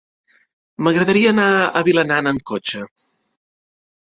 M'agradaria anar a Vilanant amb cotxe.